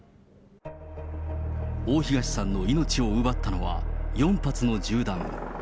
大東さんの命を奪ったのは４発の銃弾。